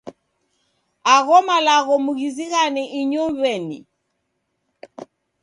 Agho malagho mughizighane inyow'eni.